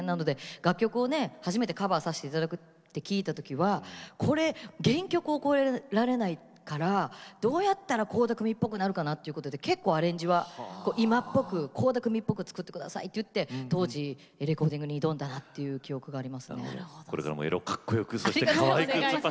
楽曲を初めてカバーさせていただくと聞いた時はこれ、原曲を超えられないからどうやったら倖田來未っぽくなるかなということで結構アレンジが今っぽく倖田來未っぽく作ってくださいと言って当時レコーディングに挑んだという記憶があります。